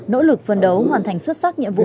nỗ lực phân đấu hoàn thành xuất sắc nhiệm vụ